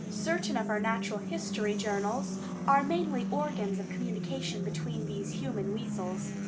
Certain of our natural history journals are mainly organs of communication between these human weasels.